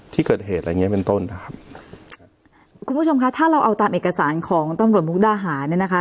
ที่เกิดเหตุอะไรอย่างเงี้เป็นต้นนะครับคุณผู้ชมคะถ้าเราเอาตามเอกสารของตำรวจมุกดาหารเนี่ยนะคะ